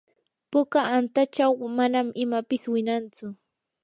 puka antachaw manan imapis winantsu.